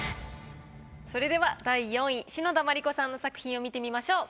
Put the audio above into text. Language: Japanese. それでは第４位篠田麻里子さんの作品を見てみましょう。